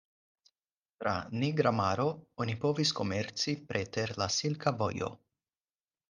Tra Nigra Maro, oni povis komerci preter la Silka Vojo.